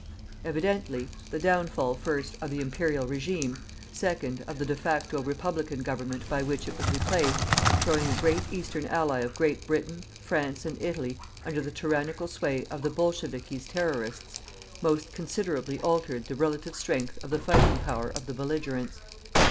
Evidently, the downfall, first, of the Imperial regime, second, of the de facto Republican government by which it was replaced, throwing the great Eastern ally of Great Britain, France and Italy under the tyrannical sway of the "bolchevikis" terrorists, most considerably altered the relative strength of the fighting power of the belligerents.